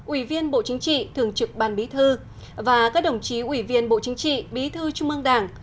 ủy viên bộ chính trị thường trực ban bí thư và các đồng chí ủy viên bộ chính trị bí thư trung ương đảng